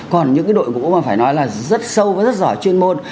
còn những cái đội ngũ mà phải nói là rất sâu và rất giỏi chuyên môn